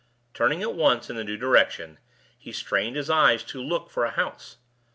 Turning at once in the new direction, he strained his eyes to look for a house.